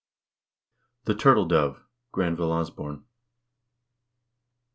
THE TURTLE DOVE. GRANVILLE OSBORNE.